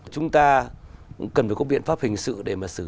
chúng ta cũng cần phải có biện pháp hình sự để mà xử lý